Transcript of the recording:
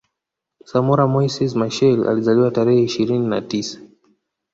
Samora Moises Machel Alizaliwa tarehe ishirini na tisa